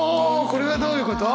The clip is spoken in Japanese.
これはどういうこと？